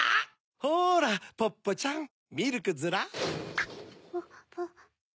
⁉ほらポッポちゃんミルクヅラ。